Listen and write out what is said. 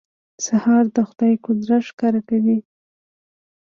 سهار د خدای قدرت ښکاره کوي.